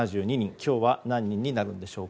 今日は何人になるのでしょうか。